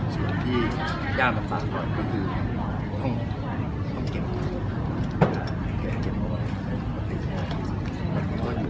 ส่วนที่ยากประมาณก่อนก็คือทุ่มเก็บ